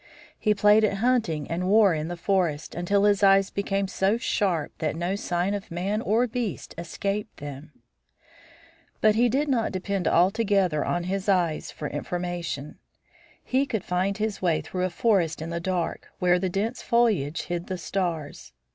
He played at hunting and war in the forest, until his eyes became so sharp that no sign of man or beast escaped them. But he did not depend altogether on his eyes for information. He could find his way through a forest in the dark, where the dense foliage hid the stars.